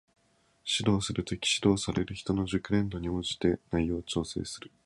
指導する時、指導される人の熟練度に応じて内容を調整する